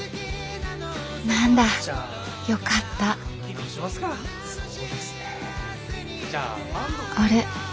何だよかったあれ？